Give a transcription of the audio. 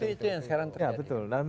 itu yang sekarang terjadi